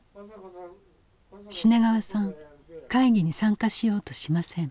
品川さん会議に参加しようとしません。